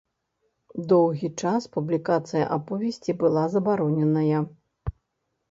Доўгі час публікацыя аповесці была забароненая.